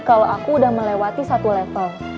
kalau aku udah melewati satu level